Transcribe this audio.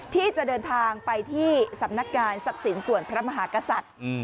ที่จะเดินทางไปที่สำนักงานทรัพย์สินส่วนพระมหากษัตริย์